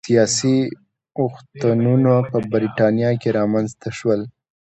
سیاسي اوښتونونه په برېټانیا کې رامنځته شول.